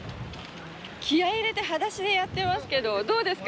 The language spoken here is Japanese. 気合い入れて裸足でやってますけどどうですか？